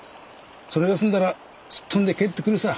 それが済んだらすっ飛んで帰ってくるさ。